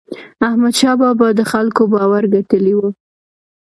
احمدشاه بابا د خلکو باور ګټلی و.